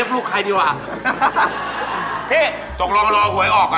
ไม่ง่ายพี่อยากถูกรอตเตอรี่ใช่ปะ